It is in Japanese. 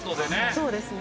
そうですね。